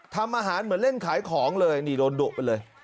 ทำอาหารเหมือนเล่นขายของเลยนี่โดนดุไปเลย